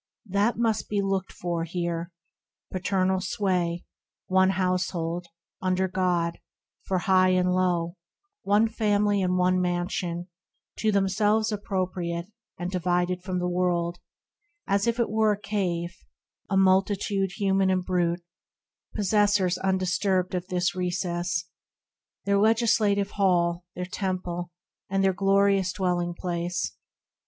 That must be looked for here : paternal sway, One household, under God, for high and low, One family and one mansion ; to themselves Appropriate, and divided from the world, As if it were a cave, a multitude Human and brute, possessors undisturbed Of this Recess — their legislative Hall, Their Temple, and their glorious Dwelling place.